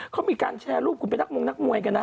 เขามีการแชร์รูปคุณเป็นนักมงนักมวยกันนะ